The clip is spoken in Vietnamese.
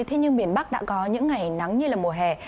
thế nhưng miền bắc đã có những ngày nắng như là mùa hè